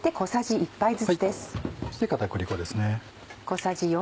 そして片栗粉ですね。